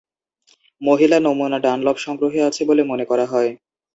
মহিলা নমুনা ডানলপ সংগ্রহে আছে বলে মনে করা হয়।